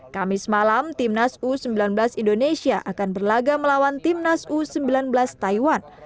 kamis malam timnas u sembilan belas indonesia akan berlaga melawan timnas u sembilan belas taiwan